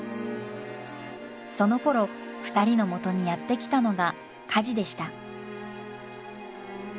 そのころ２人のもとにやって来たのがカジでした。